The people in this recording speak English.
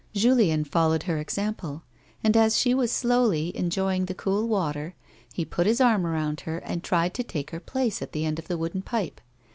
Julien followed her example, and as she was slowly enjoying the cool water, he put his arm around her and tried to take her place at the end of the A WOMAN'S LIFE. 71 wooden pipe.